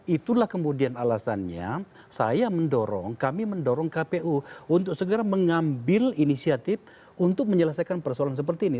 itulah kemudian alasannya saya mendorong kami mendorong kpu untuk segera mengambil inisiatif untuk menyelesaikan persoalan seperti ini